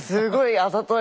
あざとい！